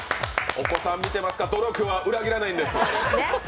お子さん見てますか、努力は裏切らないんです。